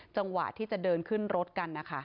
จังหวะที่จะเดินขึ้นรถกันนะคะ